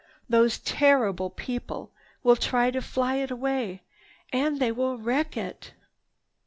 Those terrible people will try to fly it away, and they will wreck it!"